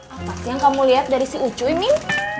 apa sih yang kamu liat dari si ucuy min